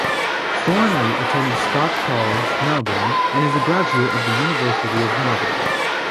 Thornley attended Scotch College, Melbourne and is a graduate of the University of Melbourne.